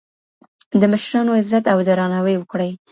د مشرانو عزت او درناوی وکړئ.